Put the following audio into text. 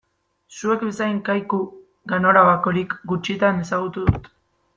Zuek bezain kaiku ganorabakorik gutxitan ezagutu dut.